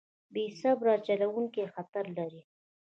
بې صبره چلوونکی خطر لري.